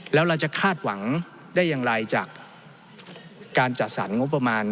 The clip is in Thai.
แล้วเราจะคาดหวังได้อย่างไรจากการจัดสรรงบประมาณ